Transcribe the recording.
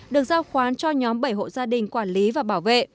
được giao khoán cho nhóm bảy hộ gia đình quản lý và bảo vệ